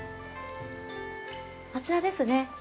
あちらですね。